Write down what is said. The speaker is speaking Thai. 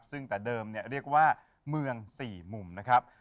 ซึ่งแต่เดิมเรียกว่าเมือง๔มุมนะครับ